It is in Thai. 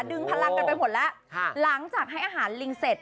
ดึงพลังกันไปหมดแล้วหลังจากให้อาหารลิงเสร็จ